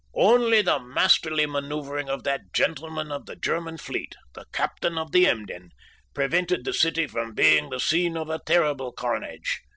"Only the masterly manoeuvring of that gentleman of the German fleet the Captain of the Emden prevented the city from being the scene of a terrible carnage.